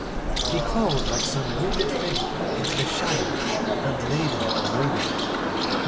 He crawled, like some wounded thing, into the shadow, and lay there moaning.